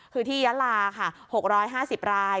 คือที่ยาลาค่ะ๖๕๐ราย